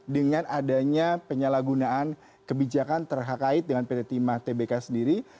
dengan adanya penyalahgunaan kebijakan terkait dengan pt timah tbk sendiri